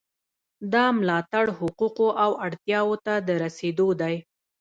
دا ملاتړ حقوقو او اړتیاوو ته د رسیدو دی.